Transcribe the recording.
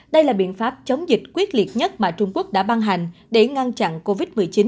đây là biện pháp chống dịch quyết liệt nhất mà trung quốc đã ban hành để ngăn chặn covid một mươi chín